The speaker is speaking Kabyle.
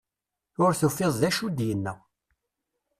Ur tufiḍ d acu i d-yenna.